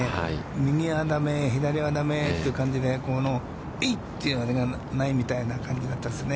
右はだめ、左はだめという感じで、ええっというあれがないみたい感じですね。